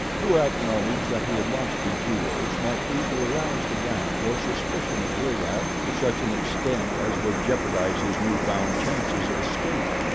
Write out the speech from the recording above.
To acknowledge that he had lost the jewels might be to arouse the wrath or suspicion of the Arab to such an extent as would jeopardize his new found chances of escape.